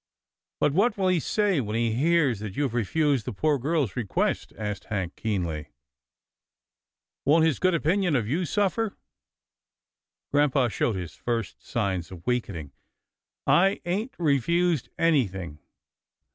" But what will he say when he hears that you have refused the poor girl's request? " asked Hank, keenly. " Won't his good opinion of you suffer? " Grampa showed his first signs of weakening. " I HANK BREAKS IMPORTANT NEWS 323 ain't refused anything.